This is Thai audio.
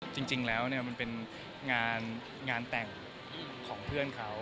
จริงแล้วมันเป็นงานแต่งของเพื่อนเขา